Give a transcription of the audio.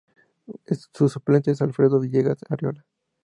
Su suplente es Alfredo Villegas Arreola.